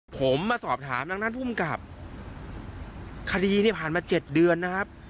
ผมมาสอบถามนางน้านผู้มีกับคดีนี่ผ่านมาเจ็ดเดือนนะครับ